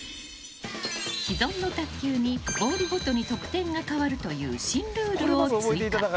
既存の卓球にボールごとに得点が変わるという新ルールを追加。